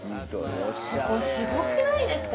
ここすごくないですか。